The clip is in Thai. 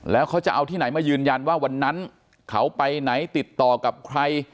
แล้วเขาจะเอาที่ไหนมายืนยันว่าวันนั้นเขาไปไหนติดต่อกับใคร